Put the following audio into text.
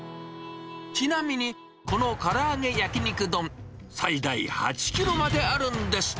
ちなみに、このからあげ焼肉丼、最大８キロまであるんです。